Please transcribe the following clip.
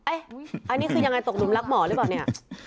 อันนี้คือยังไงตกหลุมรักหมอหรือเปล่าเนี่ย